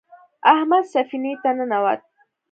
احمد سفینې ته ننوت.